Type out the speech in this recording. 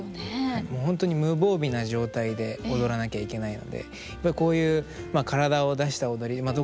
本当に無防備な状態で踊らなきゃいけないのでこういう体を出した踊りまあ